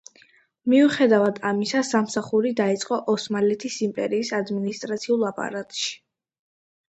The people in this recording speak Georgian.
მიუხედავად ამისა, სამსახური დაიწყო ოსმალეთის იმპერიის ადმინისტრაციულ აპარატში.